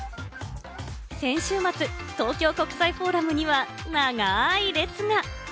先週末、東京都国際フォーラムには長い列が！